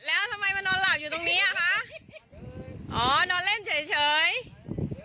อ๋อมาดูเบ็ดแล้วทำไมมานอนหลับอยู่ตรงนี้อ่ะค่ะ